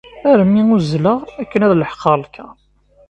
Armi uzzleɣ akken ad leḥqeɣ lkaṛ.